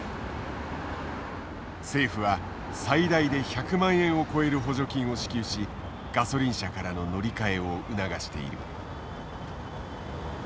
政府は最大で１００万円を超える補助金を支給しガソリン車からの乗り換えを促している。